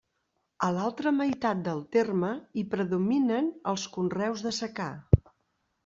A l'altra meitat del terme, hi predominen els conreus de secà.